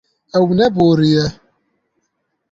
Ew neboriye.